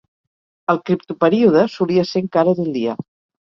El criptoperíode solia ser encara d'un dia.